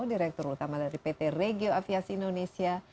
direktur utama dari pt regio aviasi indonesia